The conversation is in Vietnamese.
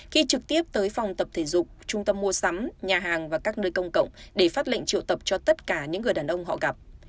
khi trực tiếp tới phòng tập thể dục trung tâm mua sắm nhà hàng và các nơi công cộng để phát lệnh triệu tập cho tất cả những người đàn ông họ gặp